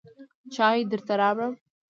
چای درته راوړم.